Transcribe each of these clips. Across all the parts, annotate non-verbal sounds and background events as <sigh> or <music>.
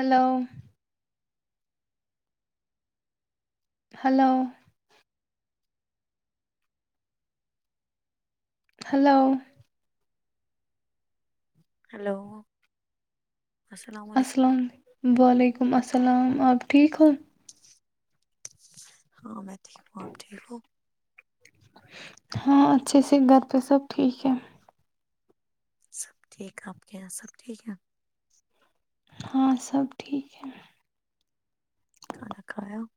Hello <unintelligible> hello <unintelligible> hello <unintelligible> hello <unintelligible> السلام علیکم <unintelligible> وعلیکم السلام آپ ٹھیک ہووں <unintelligible> ہاں میں ٹھیک ہوں آپ ٹھیک ہووں <unintelligible> ہاں اچھے سے گھر پہ سب ٹھیک ہے <unintelligible> سب ٹھیک آپ کے یہاں سب ٹھیک ہے <unintelligible> ہاں سب ٹھیک ہے <unintelligible> کھانا کھایا <unintelligible>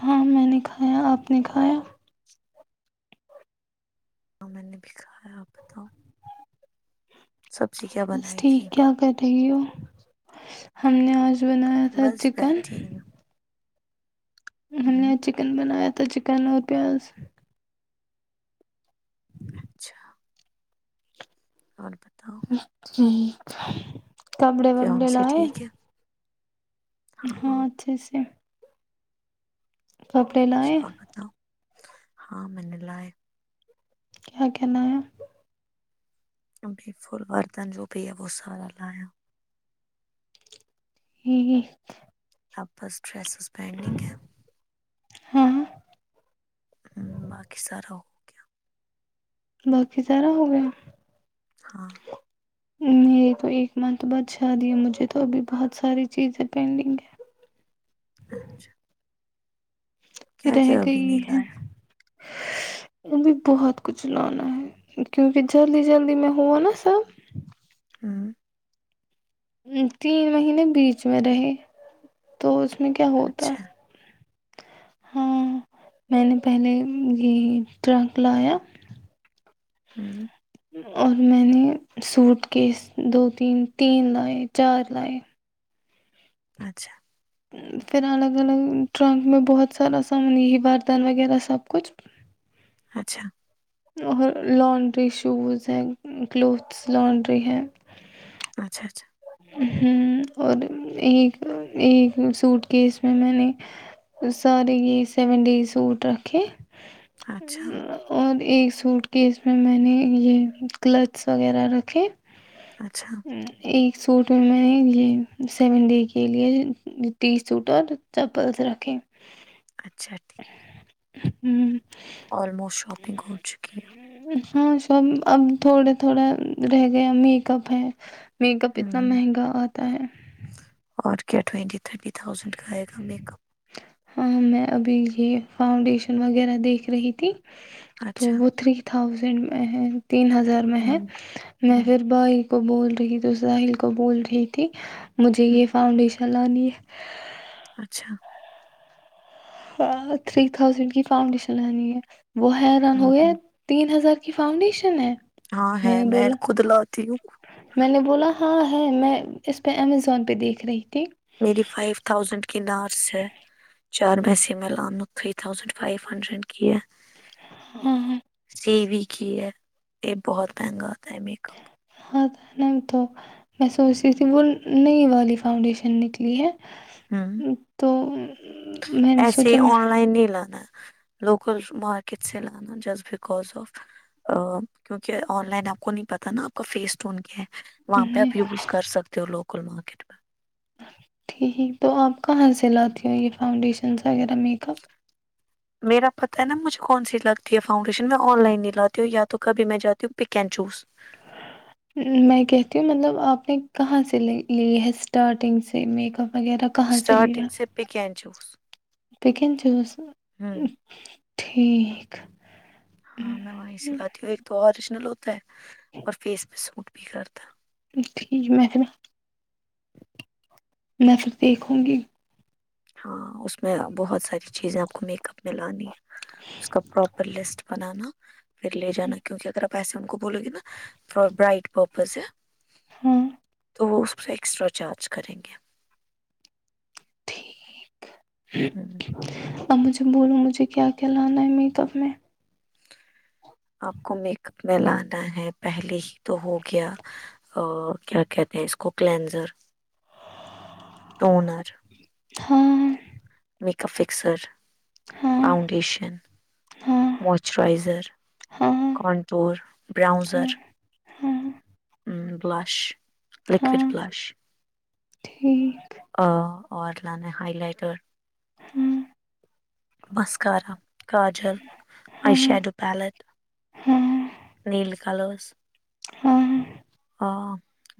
ہاں میں نے کھایا آپ نے کھایا <unintelligible> ہاں میں نے بھی کہا ہے آپ بتاؤ سبزی کیا بس بنائی ٹھیک تھی کیا کر <unintelligible> ہم نے آج <unintelligible> بنایا تھا بس چکن <unintelligible> بیٹھی ہوں ہم نے ہوں، چکن بنایا تھا تو چکن اور پیاز <unintelligible> اچھا <unintelligible> اوربتؤ <unintelligible> ٹھیک <unintelligible> کبڑے فیون وبڑے ل سے ہے ٹھیک ہاں اچھا ا سے کپڑے اچھا لائے اور بتاؤ <unintelligible> ہاں میں نے لائے <unintelligible> کیا کہنا ہے؟ <unintelligible> فل وردن جو بھییا وہ سارا لایا ہی <unintelligible> آپس <unintelligible> ڈریسز پینڈنگ ہے <unintelligible> ہاں ہ باقی سارا ہو گیا <unintelligible> باقی سارا ہو گیا ہاں <unintelligible> میرے کو ایک منتھ بعدشادی ہے، مجھے تو ابھی بہت ساری چیزیں پینڈنگ ہیں اچھا کیا رہ کیا ابھی گئی نہیں ہے لایا ا بھی بہت کچھ لانا ہے کیونکہ جلدی جلدی میں ہوا نا سب ہوں تین مہینے بیچ میں رہے تو اس میں کیا ہوتا اچھا ہاں میں نے پہلے یہ ٹرک لایا ہوں اور میں نے سوٹ کے دو تین تین لائے چار لائے اچھا پھر الگ الگ ٹرنک میں بہت سارا سامان یہ ہے بردن وغیرہ سب کچھ اچھا اور لانڈری شوز ہیں کلوتھس لانڈری ہیں اچھا اچھا ہ اور ایک ایک سوٹ کی اس میں میں نے سارے یہ سیون ڈیز سوٹ رکھے اچھا اور ایک سوٹ کیس میں میں نے یہ کلچس وغیرہ رکھے اچھا، یہ سوٹ میں میں نے یہ سیون ڈے کے لیے ٹی سوٹ اور چپلس رکھے اچھا ٹھیک ہے ہوں آلموسٹ شاپنگ ہو چکی ہیں ہاں سب اب تھوڑے تھوڑا رہ گیا میک اپ ہے اتنا ہوں مہنگا آتا ہے اور کیا ٹوئنٹی تھرٹی تھاؤزینڈ کا آئے گا میک اپ ہاں میں ابھی یہ فاؤنڈیشن وغیرہ دیکھ رہی تھی اپ تو اچھا وہ تھری تھا تھاؤزنڈ ا تین ہزار میں ہے ہوں میں ہوں پھر بائی کو بول رہی تھی ساحل کو بول رہی تھی مجھے ہوں یہ فاؤنڈیش چلانی اچھا ہاں تھری تھاؤزینڈ کی فاؤنڈیشن لنی ہے وہ ہے رن ہو ہوں گئے ہوں تین ہزار کی فاؤنڈیشن ہے ہاں ہے نے میں بولا خود لاتی ہوں میں نے بولا ہاں ہے میں اس پہ امیزون پہ دیکھ رہی تھی میری فائیو تھازینڈ کی نارس ہے چار میںس میں لانوں تھری تھازینڈ فائیو ہنڈریڈ کی ہے ہاں ہاں سیوی کی ہے یہ بہت مہنگا تھا ہے میک اپ ہ ن تو میں سوچ رہی تھی وہ نئی والی فاؤنڈیشن نکلی ہے ہ تو میں نے ایسے سوچا میں آن لائن نہیں لانا ہے لوکل مارکیٹ سے لانا جسٹ بکز آف کیونکہ آن لائن آپ کو نہیں پتا نا آپ کا فیس ٹون کیا ہے وہاں پہ نہیں، آپ ی بوز کر سکتے ہو لوگ کل مارکیٹ میں ٹھیک تو آپ کہاں سے لاتی ہو یہ فاؤنڈیشنس وغیرہ میک اپ میرا پتاہ ہے نا مجھے کون سی لگتی ہے فاؤنڈیشن میں آن لائن نہیں لاتی ہوں یا تو کبھی میں جاتی ہوں پک اینڈ چوز میں کہتی ہوں مطلب آپ نے کہاں سے لی ہے اسٹارٹنگ سے میک اپ وغیرہ کہاں اسٹارٹنگ سے پکین چوس بکن چس تو ٹھیک ہاں میں وہیں سے لاتی ہوں ایک تو اوریجنل ہو اور فیس پہ سوٹ بھی کرتا ٹھیک میں پھر میں پھر دیکھوں گی ہاں اس میں بہت ساری چیزیں آپ کو میک اپ میں لانی ہے اس کا پراپر لسٹ بنانا پھر لے جا کیونکہ اگر پیسے ہم کو بولے گے نا ف برائٹ پپز ہے ہوں سٹر گ ٹھیک ہوں ا مجھے بولوں مجھے کیا کیا لانا ہے میک اپ میں آپ کو میک اپ میں لانا ہے پہلے ہی تو ہو گیا کیا کہتے ہیں اس کو کلینزر ٹونر ہاں میک اپ فکسر ہاں فانڈیشن ہاں موئسچرائزر ہاں کانٹور ہاں برؤزر ہاں بلش لکوڈ ہاں بلش ٹھیک ا اور لانے ہائی لائٹر ہاں مسکارا کااجل آئی ہاں شیڈو پیلٹ ہاں نیل کلز ہاں ا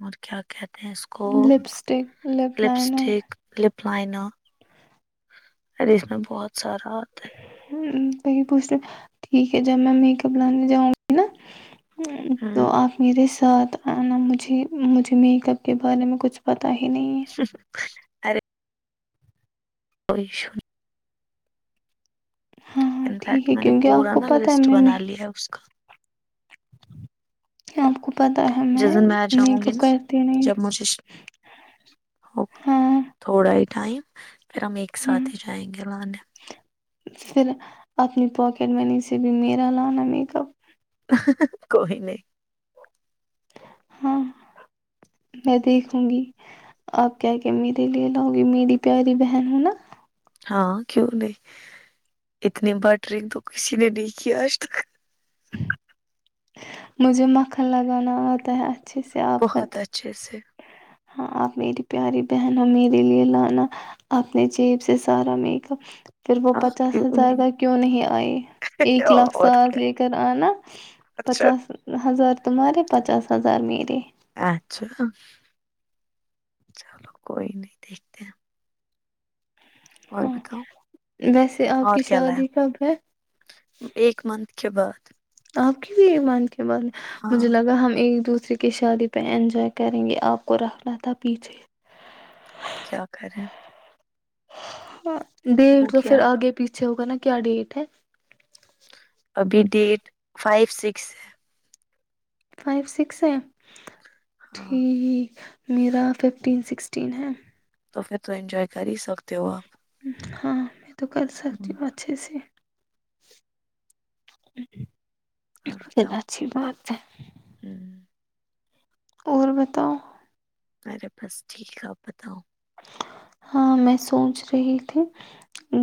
اور کیا کہتے ہیں اس کو لپسٹک لپ لائنر فائن ار اس میں بہت سرا ہوتا ہے م پوچھنے ٹھیک ہے ج میں میک اپ لانے جاؤںی نا ہے تو ہوں آپ میرے س ن مجھے مجھے میک اپ کے بارے میں کچھ پتا ہی نہیں ہے ارے <inaudible> ہاں انفیکٹ ٹھیک ہے میں نے کیونکہ آپ پورا کو نا پتہ ہے لسٹ بنا میں لیا ہے اس کا <unintelligible> آپ کو پتا ہے میں جس دن آ میک جاؤں گی اپ نا کرتی نہیں جب مجھے ہوگا ہاں تھوڑا ہی ٹائم پھر ہم ایک ہاں ساتھ ہی جائیں گے لانے پھر اپنی پاکٹ منی سے بھی میرا لانا میک اپ کوئی نہیں ہاں میں دیکھوں گی آپ کیا کہ میرے لیے لاؤ گی میری پیاری بہن ہو نا ہاں کیوں نہیں اتنی بر ڈرنگ تو کسی نے نہیں کی آج تک مجھے مکھن لگانا آتا ہے اچھے سے آپ بہت اچھے سے ہاں آپ میری پیاری بہن میرے لیے لانا آپ نے جیب سے سارا میک اپ پھر وہ ہاں پچاس کیوں ہزار کا نہیں کیوں نہیں آئی ایک لاکھ اور سال کیا لے کر آنا اچھا پچاس ہزار تمہارے پچاس ہزار میرے اچھا چلو کوئی نہیں دیکھتے اور ہاں بتاؤ ویسے آپ اور کی کیا لا شادی کب ہے ایک منتھ کے بعد <unintelligible> ہاں مجھے لگا ہم ایک دوسرے دوسری کی شادی پہ انجوائے کریں گے آپ کو رکھنا تھا پیچھے اب کیا کریں ہاں دین ہو تو گیا پھر اب آگے پیچھے ہوگا نا کیا ڈیٹ ہے ابھی ڈیٹ فائیو سکس ہے فائیو سکس ہے ہاں ٹھیک میرا ففٹین سکسٹین ہے تو پھر تو انجوائے کر ہی سکتے ہو آپ ہاں تو کر سکتی ہمم ہوں اچھے سے <unintelligible> اور پھر بتاؤ اچھی بات ہے ہمم اور بتاؤ ارے بس ٹھیک ہے آپ بتاؤ ہاں میں سونچ رہی تھی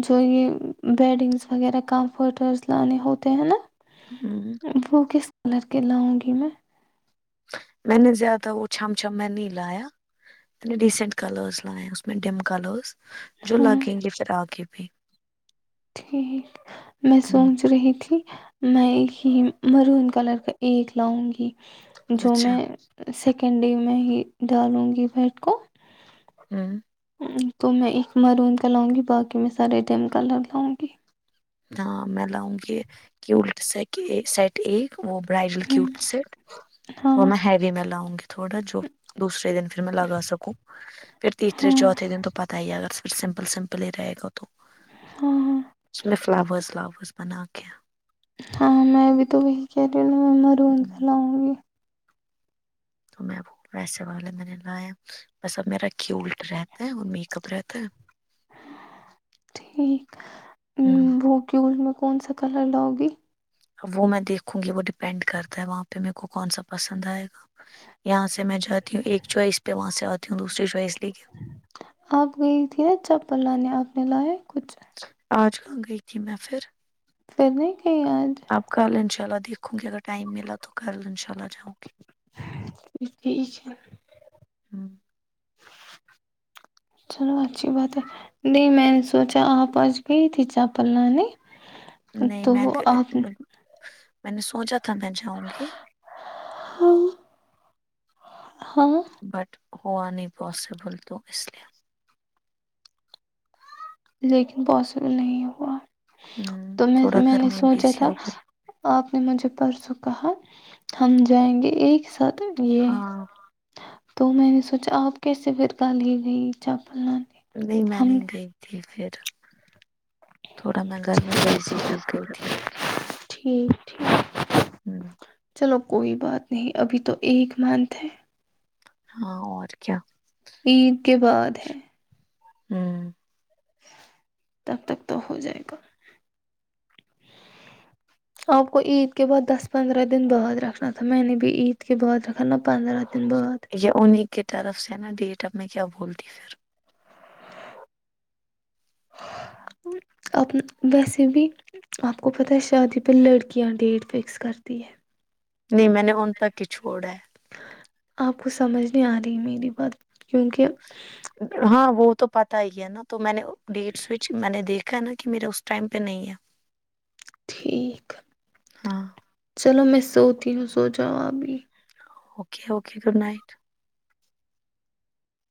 جو یہ بیڈنگس وغیرہ کمفرٹز لانے ہوتے ہیں نا ہمم وہ کس کلر کے لاؤں گی میں میں نے زیادہ وہ چم چھم میں نہیں لایا میں نے ڈیسینٹ کلرس لائے اس میں ڈم کلرس جو ہاں لگیں گے پھر آگے فی <unintelligible> ٹھیک میں ہمم سونچ رہی تھی میں ایک ہی مرون کلر کا ایک لاؤں گی جو اچھا میں س کینڈی میں ہی ڈالوں گی بیٹ کو ہوں تو میں ایک مرون کا لاؤں گی باقی میں سارے ڈم کلر لاؤں گی ہاں میں لاؤں گی کہ الٹا سیٹ ا سیٹ اے وہ برائڈل کیوب سیٹ وہ ہاں میں ہیوی میں لاؤں گی تھوڑا جو دوسرے دن پھر میں لگا سکوں پھر تیسرے ہاں چوتھے دن تو پتا ہی اگر پ سمپل سمپل ہی رہے گا تو ہاں ہاں <inaudible> ہاں میں بھی تو وہی کہ مر چ ل ہ گی <inaudible> تو میں ویسے والا میں نے لایا بس اب میرا کیلٹ رہتا ہے اور میک اپ رہتا ہے ٹھیک ہے وہ کی میں <unintelligible> کون سا کلر لاؤ گی وہ میں دیکھوں گی وہ ڈیپینڈ کرتا ہے وہاں پہ میر کو کون سا پسند آئے گا یہاں سے میں جاتی ہوں ایک چوائس پہ وہاں سے آتی ہوں دوسری چوائس لے کے آپ گئی تھی نا چپل لانے آپ اپ نے لایا کچھ آج کہاں گئی تھی میں پھر پھر نہیں کہیں آج دھ گ اگر ٹائم ملا تو کرل انشاء اللہ جاؤکے ٹھیک ہے ہ چلو اچھی بات ہے نہیں میں نے سوچا آپ آچ گئی تھی چاپل لانے نہیں تو میں آپ میں نے سوچا تھا ت میں جاؤں گی ہاں بٹ ہوا نہیں پاسبل تو اس لیے لیکن پاسبل نہیں ہوا ہوں تو میں تھوڑا میں گھر نے سوچا بزی تھا ہو گئی آپ نے مجھے پرسوں کہا ہم جائیں گے ایک ساتھ یہ ہاں تو میں نے سوچا آپ کیسے پھرکا لیی گئی چپ نہیں میں نہیں گئی تھی پھر تھوڑا میں گھر پہ بزی لگ گئی تھی ٹھیک ٹھیک ہوں چلو کوئی بات نہیں ابھی تو ایک مانت ہے ہاں اور کیا عید کے بعد ہے ہوں ٹک تٹک تو ہو جائے گا آپ کو عید کے بعد دس پندرہ دن بعد رکھنا تھا میں نے بھی عید کے بعد رکھا نہ پندرہ دن بعد یہ انہیں کی طرف سے نا د تب میں کیا بولتی پھر ا ویسے بھی آپ کو پت ہے شادی پہ لڑکیاں ڈیٹ فکس کرتی ہے نہیں میں نے ان تک ہی چھوڑا ہے آپ کو سمجھ نہیں آ رہی میری بات کیونکہ ہاں وہ تو پتا ہی ہے نا تو میں نے ڈیٹس میں نے دیکھ نا کہ میرا اس ٹائم پہ نہیں ہے ٹھیک ہاں چلو میں سوتی ہوں سو جوابی اوکے اوکے گڈ نائٹ